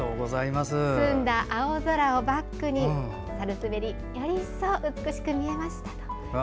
澄んだ青空をバックにサルスベリより一層美しく見えました。